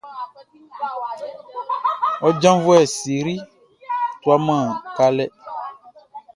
Ɔ janvuɛ Sery tuaman kalɛ.